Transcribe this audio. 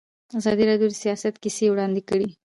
ازادي راډیو د سیاست کیسې وړاندې کړي.